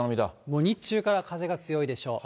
もう日中から風が強いでしょう。